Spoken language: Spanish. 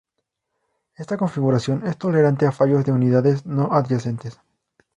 Esta configuración es tolerante a fallos de unidades no adyacentes.